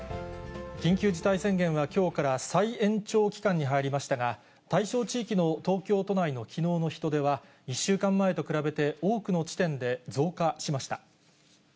緊急事態宣言はきょうから再延長期間に入りましたが、対象地域の東京都内のきのうの人出は、１週間前と比べて、多くの地点で増加しました。